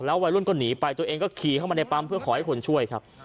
วัยรุ่นก็หนีไปตัวเองก็ขี่เข้ามาในปั๊มเพื่อขอให้คนช่วยครับ